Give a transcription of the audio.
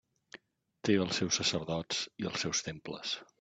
Té els seus sacerdots i els seus temples.